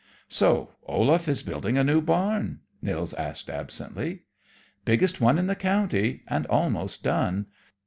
"So Olaf is building a new barn?" Nils asked absently. "Biggest one in the county, and almost done.